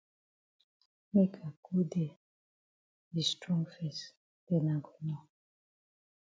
Make I go dey yi strong fes den I go know.